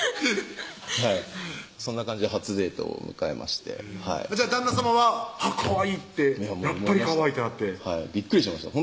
はいそんな感じで初デートを迎えまして旦那さまは「あっかわいい」って「やっぱりかわいい」ってなってびっくりしました